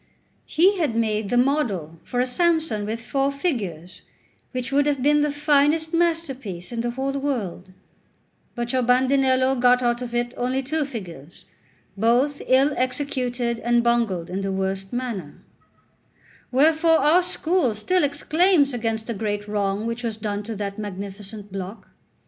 He had made the model for a Samson with four figures, which would have been the finest masterpiece in the whole world; but your Bandinello got out of it only two figures, both ill executed and bungled in the worst manner; wherefore our school still exclaims against the great wrong which was done to that magnificent block.